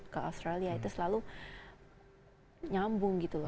ke australia itu selalu nyambung gitu loh